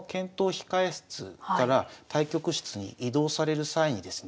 控え室から対局室に移動される際にですね